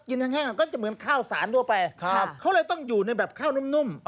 แห้งก็จะเหมือนข้าวสารทั่วไปเขาเลยต้องอยู่ในแบบข้าวนุ่มนุ่ม